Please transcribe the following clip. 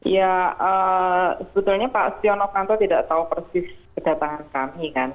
ya sebetulnya pak setia novanto tidak tahu persis kedatangan kami kan